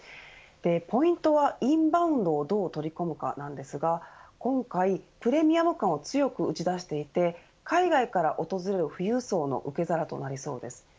ポイントはインバウンドをどう取り込むか、なんですが今回、プレミアム感を強く打ち出していて海外から訪れる富裕層の受け皿となりそうです。